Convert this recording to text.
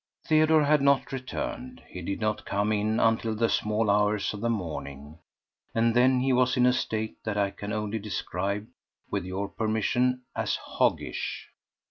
Theodore had not returned. He did not come in until the small hours of the morning, and then he was in a state that I can only describe, with your permission, as hoggish.